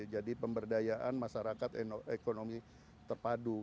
jadi pemberdayaan masyarakat ekonomi terpadu